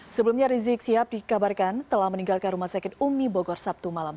sebelumnya rizik sihab dikabarkan telah meninggalkan rumah sakit umi bogor sabtu malam